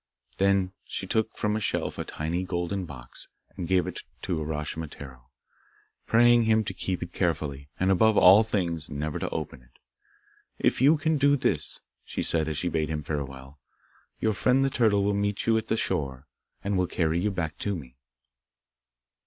Then she took from a shelf a tiny golden box, and gave it to Uraschimataro, praying him to keep it carefully, and above all things never to open it. 'If you can do this,' she said as she bade him farewell, 'your friend the turtle will meet you at the shore, and will carry you back to me.